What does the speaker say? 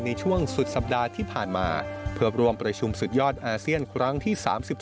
ในช่วงสุดสัปดาห์ที่ผ่านมาเพื่อรวมประชุมสุดยอดอาเซียนครั้งที่๓๒